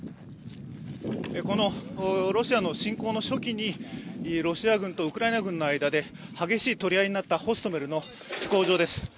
このロシアの侵攻の初期にロシア軍とウクライナ軍の間で激しい取り合いになったホストメリの飛行場です。